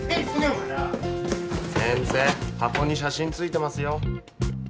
お前ら先生箱に写真ついてますよ